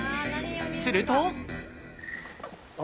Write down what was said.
すると。